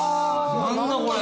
何だこれ。